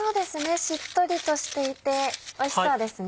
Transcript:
しっとりとしていておいしそうですね。